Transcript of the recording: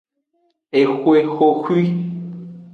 Exwe xoxwi.